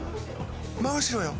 真後ろよ？